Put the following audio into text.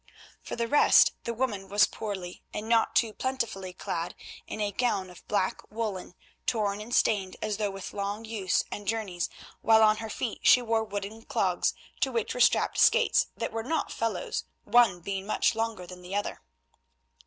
For the rest the woman was poorly and not too plentifully clad in a gown of black woollen, torn and stained as though with long use and journeys, while on her feet she wore wooden clogs, to which were strapped skates that were not fellows, one being much longer than the other.